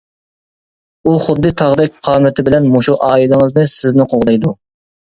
ئۇ خۇددى تاغدەك قامىتى بىلەن مۇشۇ ئائىلىڭىزنى، سىزنى قوغدايدۇ.